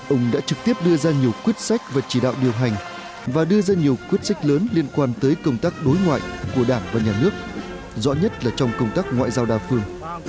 ông đã trực tiếp đưa ra nhiều quyết sách và chỉ đạo điều hành và đưa ra nhiều quyết sách lớn liên quan tới công tác đối ngoại của đảng và nhà nước rõ nhất là trong công tác ngoại giao đa phương